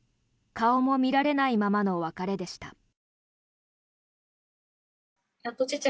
顔も見られないままの別れでした。